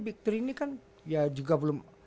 big tiga ini kan ya juga belum